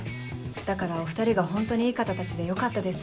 だからお２人がホントにいい方たちでよかったです。